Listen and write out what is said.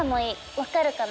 分かるかな？